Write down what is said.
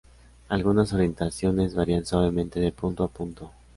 Algunas orientaciones "varían suavemente" de punto a punto.